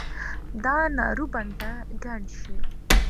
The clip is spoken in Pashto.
دا نارو بڼ به ګڼ شي